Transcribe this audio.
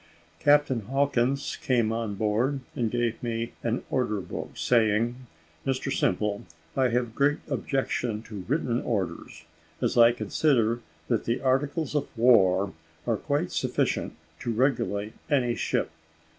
Captain Hawkins came on board and gave me an order book, saying, "Mr Simple, I have a great objection to written orders, as I consider that the articles of war are quite sufficient to regulate any ship.